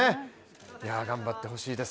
いや頑張ってほしいです。